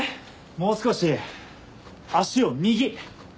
もう少し足を右。